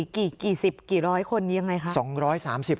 กี่สิบกี่ร้อยคนยังไงครับ